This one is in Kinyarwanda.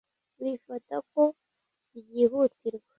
Bifata ko byihutirwa.